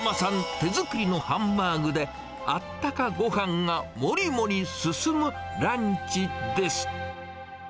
手作りのハンバーグで、あったかご飯がモリモリ進むランチです。